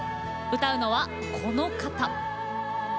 歌うのはこの方。